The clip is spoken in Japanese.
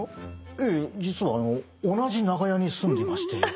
ええ実はあの同じ長屋に住んでまして。